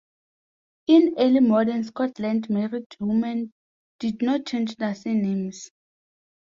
In early modern Scotland married women did not change their surnames.